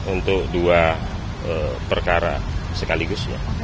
untuk dua perkara sekaligusnya